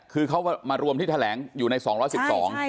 คือเขามารวมที่แถลงอยู่ใน๒๑๒นะใช่